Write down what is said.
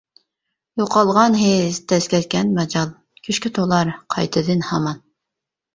يوقالغان ھېس دەز كەتكەن ماجال، كۈچكە تولار قايتىدىن ھامان.